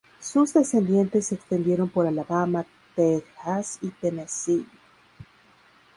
Sus descendientes se extendieron por Alabama, Tejas y Tennessee.